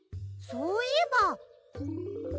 そういえば。